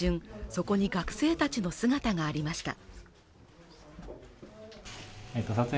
そこに学生たちの姿がありました